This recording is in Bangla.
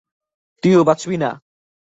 তুইও বাঁচবি না!